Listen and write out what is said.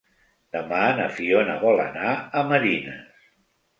Demà na Fiona vol anar a Marines.